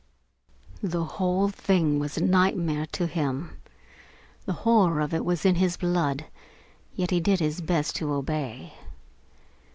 The whole thing was a nightmare to him. The horror of it was in his blood, yet he did his best to obey.